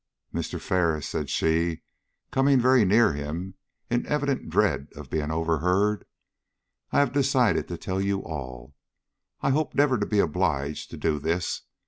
] "Mr. Ferris," said she, coming very near to him in evident dread of being overheard, "I have decided to tell you all. I hoped never to be obliged to do this.